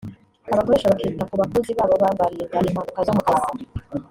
abakoresha bakita ku bakozi babo babarinda impanuka zo mu kazi